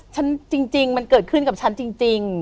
จริงมันเกิดขึ้นกับฉันจริง